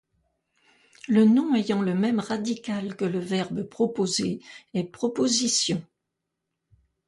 Le nom ayant le même radical que le verbe "proposer" est "proposition".